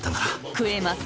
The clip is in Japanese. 食えます！